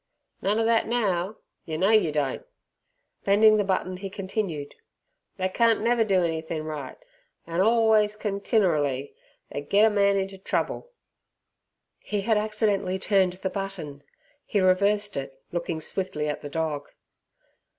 "None er thet now; yer know yer don't." Bending the button he continued, "They can't never do anythin' right, an' orlways, continerally they gets a man inter trouble." He had accidentally turned the button, he reversed it looking swiftly at the dog.